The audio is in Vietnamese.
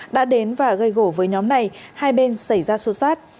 đã đến và gây gỗ với nhóm này hai bên xảy ra xuất sát